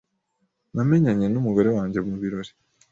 Namenyanye numugore wanjye mubirori.